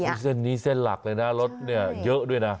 คือเส้นนี้เส้นหลักเลยนะรถเนี่ยเยอะด้วยนะ